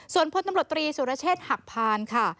ส่วนพลตำรวจตรีสุรเชษฐ์หักพานค่ะ